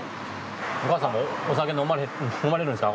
お母さんもお酒飲まれるんですか？